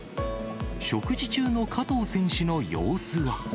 食事中の加藤選手の様子は。